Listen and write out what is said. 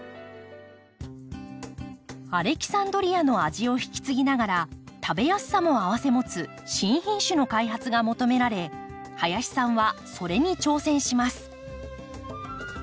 アレキサンドリアの味を引き継ぎながら食べやすさも併せ持つ新品種の開発が求められ林さんはそれに挑戦します。